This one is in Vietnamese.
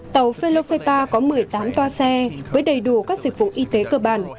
tàu felopepa có một mươi tám toa xe với đầy đủ các dịch vụ y tế cơ bản